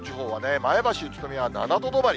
前橋、宇都宮は７度止まり。